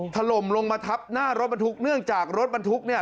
ถล่มลงมาทับหน้ารถบรรทุกเนื่องจากรถบรรทุกเนี่ย